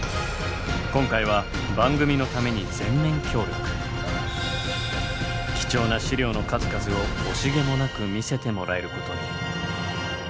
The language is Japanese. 今回は番組のために貴重な資料の数々を惜しげもなく見せてもらえることに。